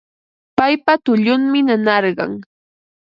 Paypa tullunmi nanarqan